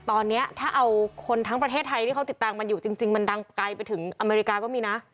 ตอนนี้ถ้าเอาคนทั้งประเทศไทยที่เขาติดตามมันอยู่จริงมันดังไกลไปถึงอเมริกาก็มีนะ